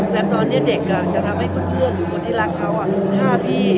แต่ตอนนี้เด็กจะทำให้เพื่อนหรือคนที่รักเขาฆ่าพี่